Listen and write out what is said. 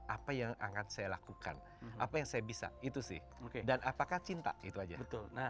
apa yang akan saya lakukan apa yang saya bisa itu sih dan apakah cinta itu aja betul nah